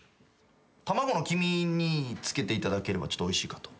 卵の黄身につけていただければちょっとおいしいかと。